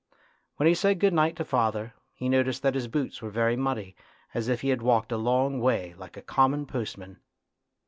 When he said good night to father, he noticed that his boots were very muddy, as if he had walked a long way like a common postman.